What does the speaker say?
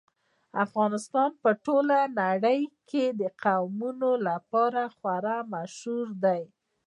افغانستان په ټوله نړۍ کې د قومونه لپاره خورا مشهور دی.